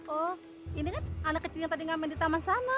oh ini kan anak kecil yang tadi ngamen di taman sama